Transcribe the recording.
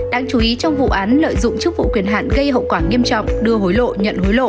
đáng chú ý trong vụ án lợi dụng chức vụ quyền hạn gây hậu quả nghiêm trọng đưa hối lộ nhận hối lộ